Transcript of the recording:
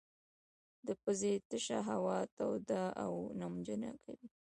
د پزې تشه هوا توده او نمجنه کوي.